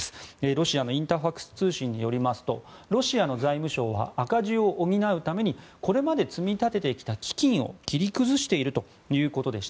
ロシアのインタファクス通信によりますとロシアの財務省は赤字を補うためにこれまで積み立ててきた基金を切り崩しているということです。